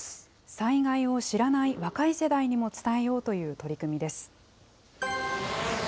災害を知らない若い世代にも伝えようという取り組みです。